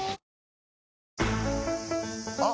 あ！